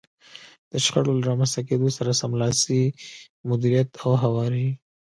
د شخړو له رامنځته کېدو سره سملاسي مديريت او هواری.